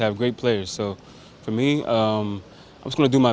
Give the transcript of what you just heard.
jadi untuk saya saya akan melakukan yang terbaik